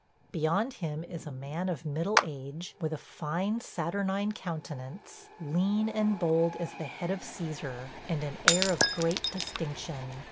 Beyond him is a man of middle age, with a fine, saturnine countenance, lean and bold as the head of Cæsar, and an air of great distinction.